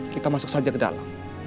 kita masuk saja ke dalam